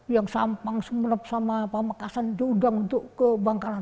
yang sampang sama pak makassar diundang untuk ke bangkalan